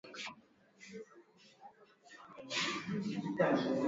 matumizi na biashara ya dawa za kulevya ambazo zimechochea